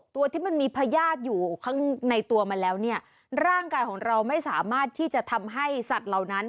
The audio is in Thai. ตัวที่มันมีพญาติอยู่ข้างในตัวมาแล้วเนี่ยร่างกายของเราไม่สามารถที่จะทำให้สัตว์เหล่านั้น